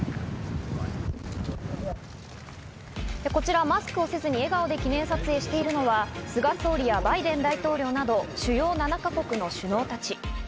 こちら、マスクをせずに笑顔で記念撮影しているのは、菅総理やバイデン大統領など主要７か国の首脳たち。